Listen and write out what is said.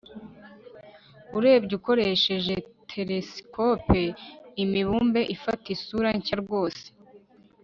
urebye ukoresheje telesikope, imibumbe ifata isura nshya rwose